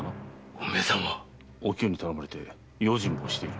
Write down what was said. お前さんは⁉お清に頼まれて用心棒をしている。